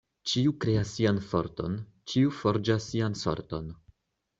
Ĉiu kreas sian forton, ĉiu forĝas sian sorton.